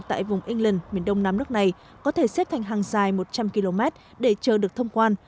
tại vùng england miền đông nam nước này có thể xếp thành hàng dài một trăm linh km để chờ được thông quan